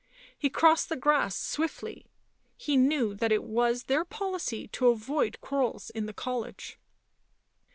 He crossed the grass swiftly; he knew that it was their policy to avoid quarrels in the college.